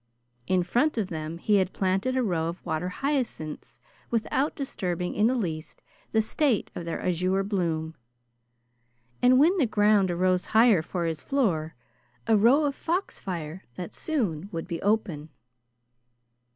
In front of them he had planted a row of water hyacinths without disturbing in the least the state of their azure bloom, and where the ground arose higher for his floor, a row of foxfire, that soon would be open.